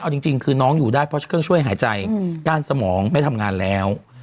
เอาจริงคือน้องอยู่ได้เพราะเครื่องช่วยหายใจก้านสมองไม่ทำงานแล้ว